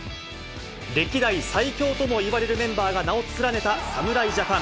歴代最強ともいわれるメンバーが名を連ねた侍ジャパン。